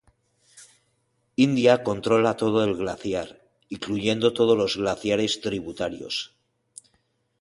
India controla todo el glaciar, incluyendo todos los glaciares tributarios.